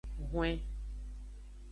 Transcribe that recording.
Hwen.